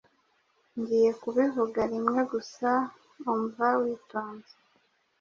Ngiye kubivuga rimwe gusa, umva witonze.